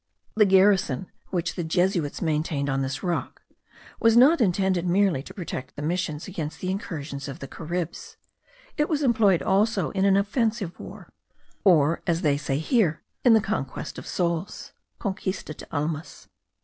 The garrison which the Jesuits maintained on this rock, was not intended merely to protect the Missions against the incursions of the Caribs: it was employed also in an offensive war, or, as they say here, in the conquest of souls (conquista de almas).